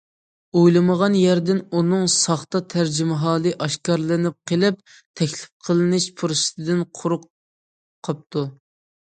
ئويلىمىغان يەردىن ئۇنىڭ ساختا تەرجىمىھالى ئاشكارىلىنىپ قىلىپ، تەكلىپ قىلىنىش پۇرسىتىدىن قۇرۇق قاپتۇ.